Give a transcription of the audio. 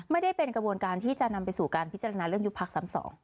ไม่ได้เป็นกระบวนการที่จะนำไปสู่การพิจารณาเรื่องยุบพักซ้ำสอง